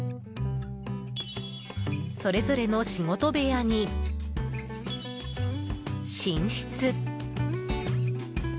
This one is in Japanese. それぞれの仕事部屋に、寝室。